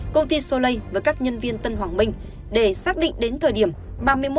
công ty soleil và các nhân viên tân hoàng minh để xác định đến thời điểm ba mươi một tháng một mươi hai năm hai nghìn hai mươi